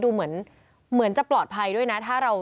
ดูเหมือนจะปลอดภัยด้วยนะ